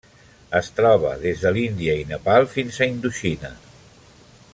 Es troba des de l'Índia i Nepal fins a Indoxina.